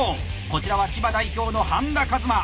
こちらは千葉代表の半田一真。